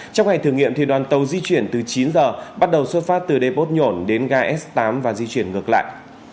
trong ngày thử nghiệm thì đoàn tàu di chuyển từ chín giờ bắt đầu xuất phát từ đê pốt nhổn đến gai s tám và di chuyển ngược lại